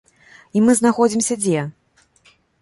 І мы знаходзімся дзе?